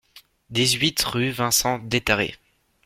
dix-huit rue Vincent Détharé